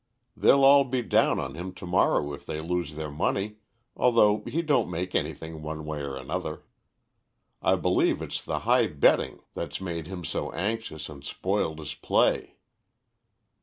They'll all be down on him to morrow if they lose their money, although he don't make anything one way or another. I believe it's the high betting that's made him so anxious and spoiled his play."